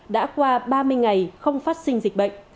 đã qua ba mươi ngày không phát sinh dịch bệnh